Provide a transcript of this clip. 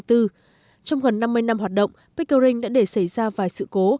trong gần năm mươi năm hoạt động pickering đã để xảy ra vài sự cố